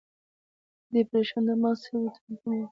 د ډیپریشن د مغز سیروټونین کموي.